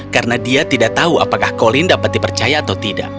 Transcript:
karena dia tidak tahu apakah colin dapat dipercaya atau tidak